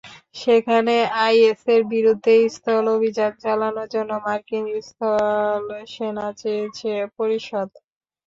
সেখানে আইএসের বিরুদ্ধে স্থল অভিযান চালানোর জন্য মার্কিন স্থলসেনা চেয়েছে পরিষদ।